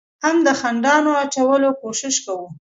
هم د خنډانو اچولو کوشش کوو،